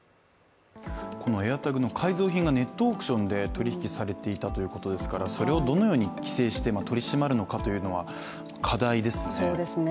このＡｉｒＴａｇの改造品がネットオークションで取り引きされていたということですからそれをどのように規制して取り締まるかというのは課題ですね。